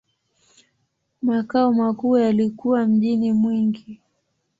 Makao makuu yalikuwa mjini Mwingi.